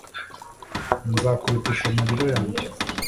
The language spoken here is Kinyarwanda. nzakubitisha amarira yanjye